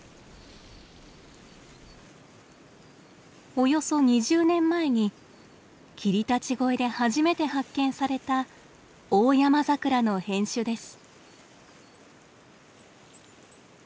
およそ２０年前に霧立越で初めて発見されたオオヤマザクラの変種です。